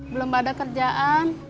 belum ada kerjaan